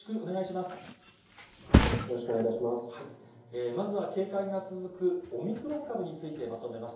まずは警戒が続くオミクロン株についてまとめます。